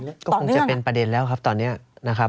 ก็คงจะเป็นประเด็นแล้วครับตอนนี้นะครับ